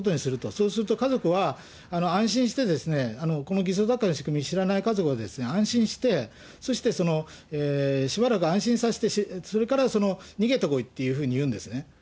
そうすると家族は、安心して、この偽装脱会の仕組みを知らない家族は安心して、そしてしばらく安心させて、それから逃げてこいっていうふうにいうんですね。